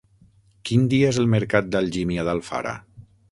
Quin dia és el mercat d'Algímia d'Alfara?